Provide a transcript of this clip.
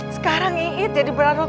sekarang iit jadi berantakan